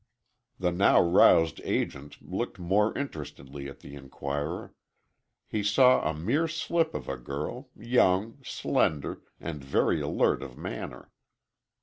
The now roused agent looked more interestedly at the inquirer. He saw a mere slip of a girl, young, slender, and very alert of manner.